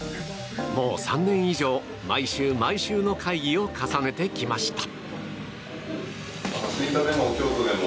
もう３年以上、毎週毎週の会議を重ねてきました。